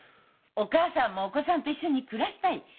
お母さんも「お子さんと一緒に暮らしたい。